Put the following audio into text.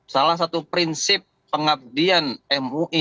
salah satu prinsip pengabdian mui